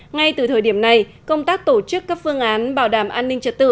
ngay từ thời điểm này công tác tổ chức các phương án bảo đảm an ninh trật tự